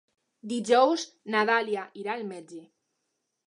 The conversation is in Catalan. Dijous na Dàlia irà al metge.